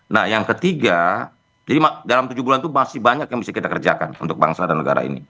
nah yang ketiga jadi dalam tujuh bulan itu masih banyak yang bisa kita kerjakan untuk bangsa dan negara ini